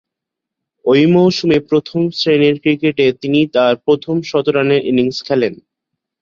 ঐ মৌসুমে প্রথম-শ্রেণীর ক্রিকেটে তিনি তার প্রথম শতরানের ইনিংস খেলেন।